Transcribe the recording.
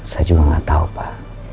saya juga nggak tahu pak